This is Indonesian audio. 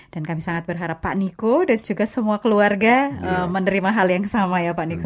dan kami sangat berharap pak niko dan juga semua keluarga menerima hal yang sama ya pak niko ya